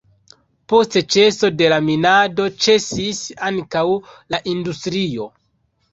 Post ĉeso de la minado ĉesis ankaŭ la industrio.